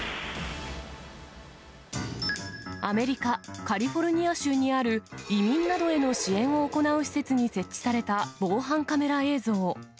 アメリカ・カリフォルニア州にある、移民などへの支援を行う施設に設置された防犯カメラ映像。